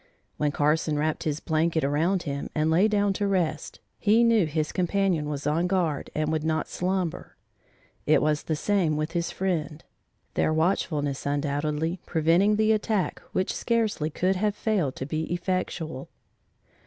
When Carson wrapped his blanket around him, and lay down to rest, he knew his companion was on guard and would not slumber. It was the same with his friend, their watchfulness undoubtedly preventing the attack which scarcely could have failed to be effectual.